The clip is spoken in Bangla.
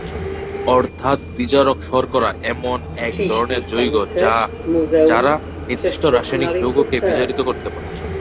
অর্থাৎ বিজারক শর্করা এমন এক ধরনের যৌগ যারা নির্দিষ্ট রাসায়নিক যৌগকে বিজারিত করতে পারে।